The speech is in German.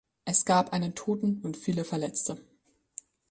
Es gab einen Toten und viele Verletzte.